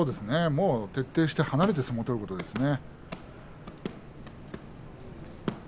徹底して離れて相撲を取ることですね。